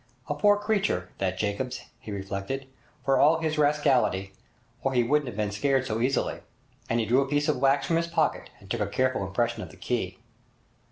A poor creature, that Jacobs, he reflected, for all his rascality, or he wouldn't have been scared so easily. And he drew a piece of wax from his pocket and took a careful impression of the key.